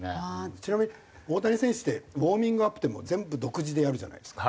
ちなみに大谷選手ってウォーミングアップでも全部独自でやるじゃないですか。